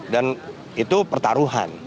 dan itu pertaruhan